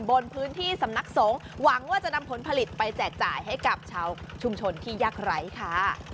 บนพื้นที่สำนักสงฆ์หวังว่าจะนำผลผลิตไปแจกจ่ายให้กับชาวชุมชนที่ยากไร้ค่ะ